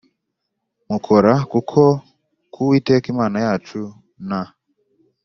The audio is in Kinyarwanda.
mukora kuko ku Uwiteka Imana yacu nta